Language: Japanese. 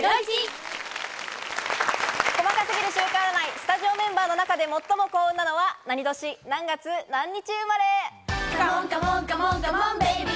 スタジオメンバーの中で最も幸運なのは、何年、何月、何日生まれ。